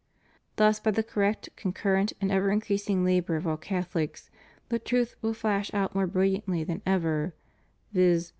Thus by the correct, concurrent, and ever increasing labor of all Cath olics, the truth will flash out more brilliantly than ever, viz.